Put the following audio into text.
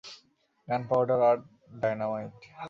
গান পাউডার আর ডায়নামাইট।